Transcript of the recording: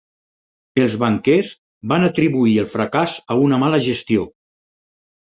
Els banquers van atribuir el fracàs a una mala gestió.